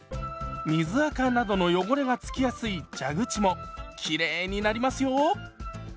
水あかなどの汚れがつきやすい蛇口もきれいになりますよ。